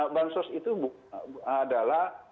bansos itu adalah